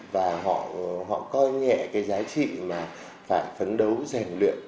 và họ coi nhẹ cái giá trị